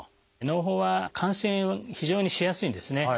のう胞は感染非常にしやすいんですね。